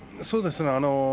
そうですね。